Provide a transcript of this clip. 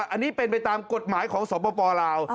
อันนี้เป็นไปตามกฎหมายของสปลาว